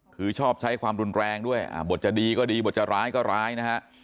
คือชอบใช้ความรุนแรงด้วยบทจะดีก็ดีบทจะร้ายก็ร้ายนะฮะ